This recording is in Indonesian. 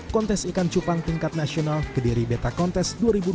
kontes ikan cupang tingkat nasional kediri beta kontes dua ribu dua puluh